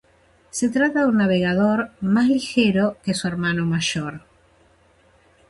Se trata de un navegador más ligero que su hermano mayor.